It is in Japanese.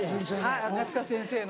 はい赤塚先生の。